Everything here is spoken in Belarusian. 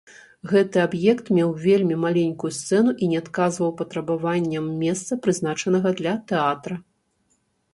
Гэты аб'ект меў вельмі маленькую сцэну і не адказваў патрабаванням месца, прызначанага для тэатра.